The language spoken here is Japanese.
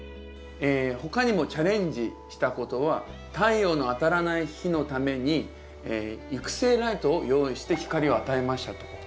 他にもチャレンジしたことは「太陽の当たらない日のために育成ライトを用意して光を与えました」と。